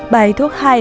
bài thuốc hai